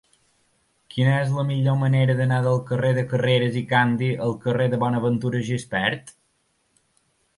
Quina és la millor manera d'anar del carrer de Carreras i Candi al carrer de Bonaventura Gispert?